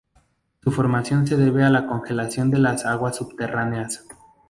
Su formación se debe a la congelación de las aguas subterráneas.